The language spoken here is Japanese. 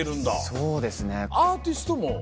そうですね。